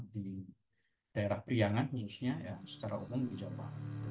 di daerah priangan khususnya ya secara umum di jawa